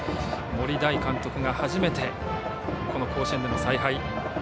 森大監督が初めてこの甲子園での采配。